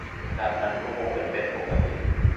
ดังนั้นก็คงจะเป็นปกติ